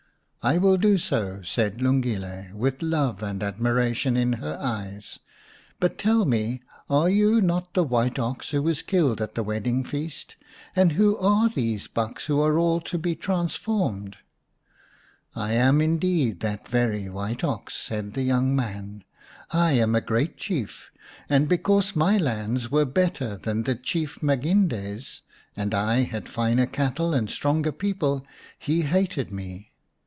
"" I will do so," said Lungile, with love and admiration in her eyes. " But tell me, are you not the white ox who was killed at the wedding feast ? And who are these bucks who are all to be transformed ?"" I am indeed that very white ox," said the young man. " I am a great Chief, and because my lands were better than the Chief Maginde's, and I had finer cattle and stronger people, he hated me.